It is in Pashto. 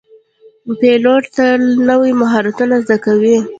پیلوټ تل نوي مهارتونه زده کوي.